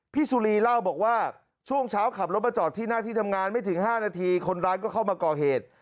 สุรีเล่าบอกว่าช่วงเช้าขับรถมาจอดที่หน้าที่ทำงานไม่ถึง๕นาทีคนร้ายก็เข้ามาก่อเหตุ